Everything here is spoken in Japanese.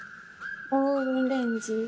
オーブンレンジ。